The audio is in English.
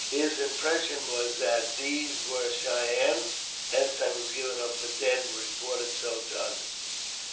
His impression was that these were Cheyennes, hence I was given up for dead and reported so to others.